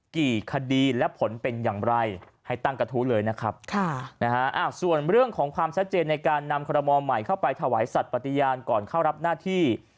กี่คดีและผลเป็นอย่างไรให้ตั้งกระทู้เลยนะครับค่ะนะฮะส่วนเรื่องของความชัดเจนในการนำคอรมอลใหม่เข้าไปถวายสัตว์ปฏิญาณก่อนเข้ารับหน้าที่